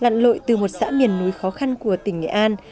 lặn lội từ một xã miền núi khó khăn của tỉnh nghệ an